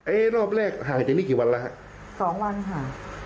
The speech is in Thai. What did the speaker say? รอบแรกห่างจากนี้กี่วันแล้วฮะสองวันค่ะ